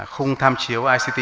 khung tham chiếu ict